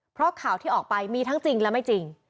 เพราะข่าวที่ออกไปมีทั้งจริงและไม่จริง